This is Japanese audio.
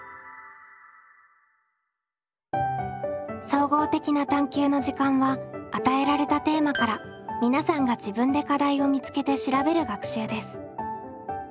「総合的な探究の時間」は与えられたテーマから皆さんが自分で課題を見つけて調べる学習です。